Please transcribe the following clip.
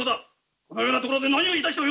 このようなところで何をいたしておる！